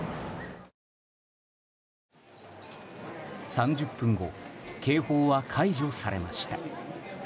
３０分後警報は解除されました。